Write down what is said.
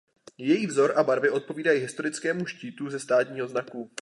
Její vzor a barvy odpovídají historickému štítu ze státního znaku.